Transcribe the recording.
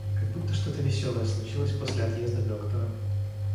Как будто что-то веселое случилось после отъезда доктора.